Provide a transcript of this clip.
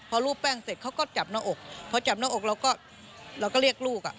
พอรูปแป้งเสร็จเขาก็จับหน้าอกพอจับหน้าอกเราก็เราก็เรียกลูกอ่ะ